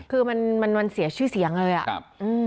คือมันมันเสียชื่อเสียงเลยอ่ะครับอืม